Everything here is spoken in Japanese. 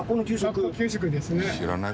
学校給食ですね。